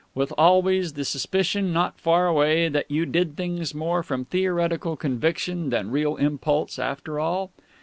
With always the suspicion not far away that you did things more from theoretical conviction than real impulse after all?"